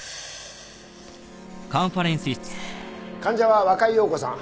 患者は若井陽子さん。